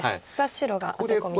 白がアテコミです。